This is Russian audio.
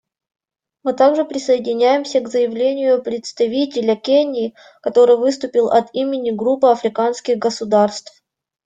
Мы также присоединяемся к заявлению представителя Кении, который выступил от имени Группы африканских государств.